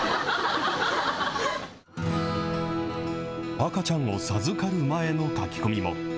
赤ちゃんを授かる前の書き込みも。